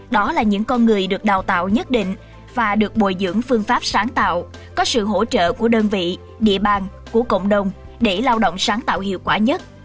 đó là những con người được đào tạo nhất định và được bồi dưỡng phương pháp sáng tạo có sự hỗ trợ của đơn vị địa bàn của cộng đồng để lao động sáng tạo hiệu quả nhất